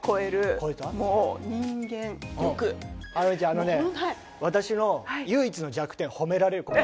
あのね私の唯一の弱点は褒められる事。